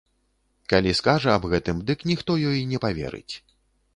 Калі скажа аб гэтым, дык ніхто ёй не паверыць.